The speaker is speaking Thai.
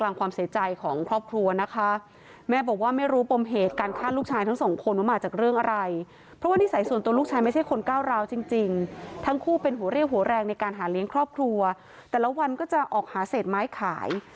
ในการหาเลี้ยงครอบครัวแต่ละวันก็จะออกหาเศษไม้ขาย